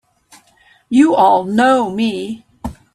You all know me!